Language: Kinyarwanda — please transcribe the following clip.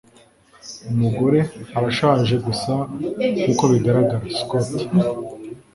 Umugore arashaje gusa nkuko bigaragara. (Scott)